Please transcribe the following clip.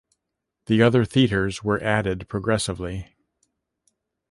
The other theatres were added progressively.